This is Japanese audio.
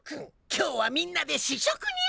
今日はみんなで試食にゃ。